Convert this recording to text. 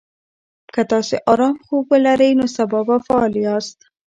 که تاسي ارام خوب ولرئ، نو سبا به فعال یاست.